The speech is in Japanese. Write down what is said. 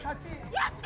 やった！